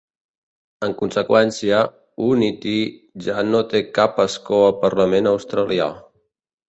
En conseqüència, Unity ja no té cap escó al parlament australià.